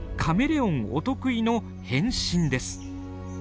カメレオンお得意の変身です。